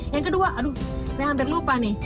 yang kedua aduh saya hampir lupa nih